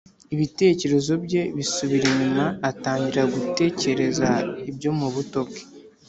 ibitekerezo bye bisubira inyuma atangira gutekereza ibyo mu buto bwe.